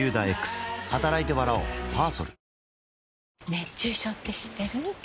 熱中症って知ってる？